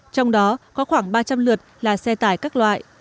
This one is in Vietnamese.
trong đó có khoảng ba trăm linh lượt là xe tải các loại